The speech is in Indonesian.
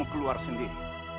asalnya kamu sendiri